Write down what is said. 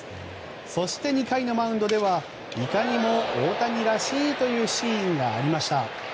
そして２回のマウンドではいかにも大谷らしいというシーンがありました。